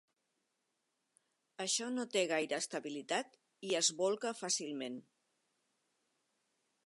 Això no té gaire estabilitat i es bolca fàcilment.